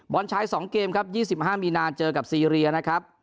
บอลชาย๒เกมครับ๒๕มีนาเจอกับซีเรียนะครับ